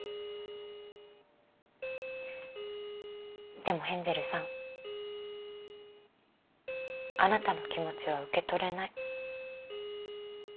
でもヘンゼルさんあなたの気持ちは受け取れない。